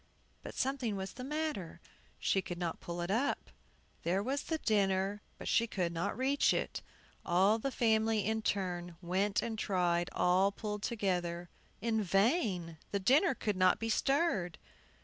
But something was the matter; she could not pull it up. There was the dinner, but she could not reach it. All the family, in turn, went and tried; all pulled together, in vain; the dinner could not be stirred.